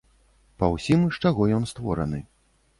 Па ўсім, з чаго ён створаны.